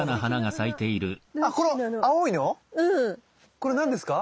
これ何ですか？